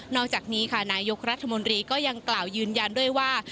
อกจากนี้ค่ะนายกรัฐมนตรีก็ยังกล่าวยืนยันด้วยว่า